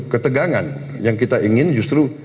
ketegangan yang kita ingin justru